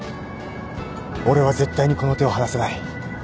俺は絶対にこの手を離さない。